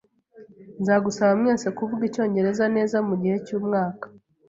Nzagusaba mwese kuvuga icyongereza neza mugihe cyumwaka